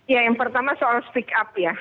ya yang pertama soal speak up ya